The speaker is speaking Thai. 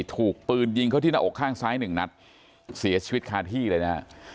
ถูกปืนยิงเข้าที่หน้าอกข้างซ้ายหนึ่งนัดเสียชีวิตคาที่เลยนะฮะ